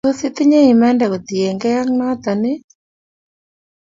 Tos itinnye imanda kotinykei ak notok ii?